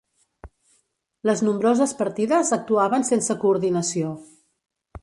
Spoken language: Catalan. Les nombroses partides actuaven sense coordinació.